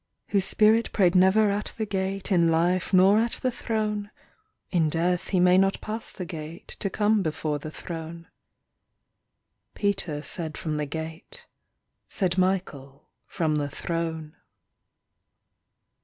"Whose spirit prayed never at the gate, In life nor at the throne, In death he may not pass the gate To come before the throne" : Peter said from the gate ; Said Michael from the throne.